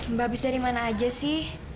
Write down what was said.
mbak bisa dimana aja sih